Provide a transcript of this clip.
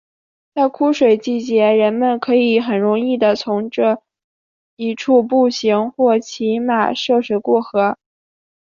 在枯水季节人们可以很容易的从这一处步行或骑马涉水过河。